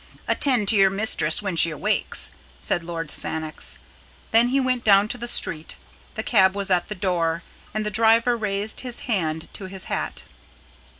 "Attend to your mistress when she awakes," said Lord Sannox. Then he went down to the street. The cab was at the door, and the driver raised his hand to his hat.